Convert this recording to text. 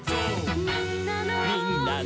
「みんなの」